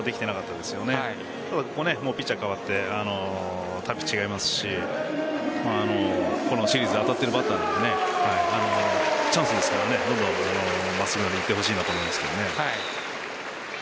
ただここはピッチャーが代わってタイプ違いますしこのシリーズ当たってるバッターなのでチャンスですから持っていってほしいなと思います。